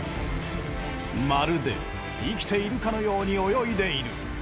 まるで生きているかのように泳いでいる。